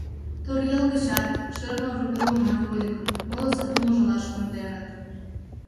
Торъял гычат, Шернур велымат вольыкым, моло сатум ужалаш конденыт.